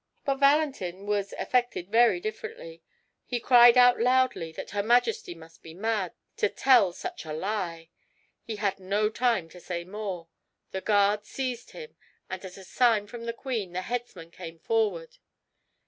But Valentin was affected very differently. He cried out loudly that her Majesty must be mad to tell such a lie. He had no time to say more. The guards seized him, and at a sign from the queen the headsman came forward.